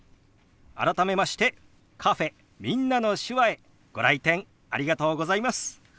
改めましてカフェ「みんなの手話」へご来店ありがとうございます。